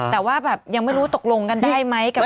แต่ว่าแบบยังไม่รู้ตกลงกันได้ไหม